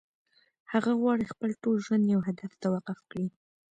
هغه غواړي خپل ټول ژوند يو هدف ته وقف کړي.